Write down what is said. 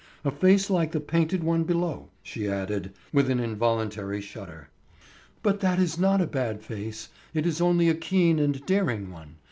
A face like the painted one below," she added, with an involuntary shudder. "But that is not a bad face; it is only a keen and daring one.